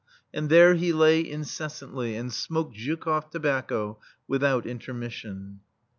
And there he lay incessantly, and smoked Zhukoff tobacco without intermission.